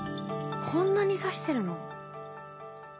こんなに刺してるの？